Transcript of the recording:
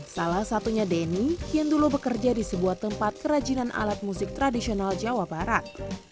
salah satunya denny yang dulu bekerja di sebuah tempat kerajinan alat musik tradisional jawa barat